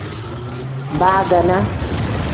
Baaganaa.